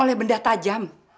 oleh benda tajam